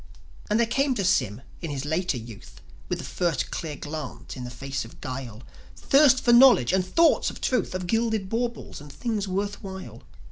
And there came to Sym in his later youth, With the first clear glance in the face of guile, Thirst for knowledge and thoughts of truth, Of gilded baubles, and things worth while.